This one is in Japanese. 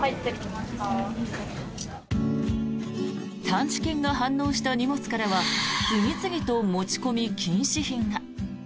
探知犬が反応した荷物からは次々と持ち込み禁止品が。